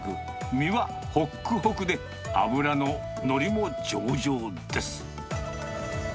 身はほっくほくで脂の乗りも上々です。